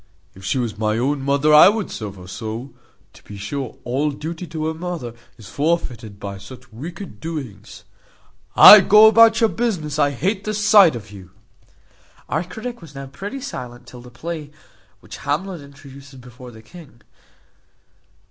If she was my own mother, I would serve her so. To be sure all duty to a mother is forfeited by such wicked doings. Ay, go about your business, I hate the sight of you." Our critic was now pretty silent till the play, which Hamlet introduces before the king.